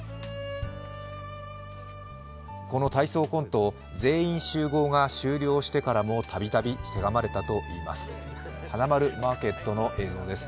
この体操コントを「全員集合」が終了してからもたびたびせがまれたといいます。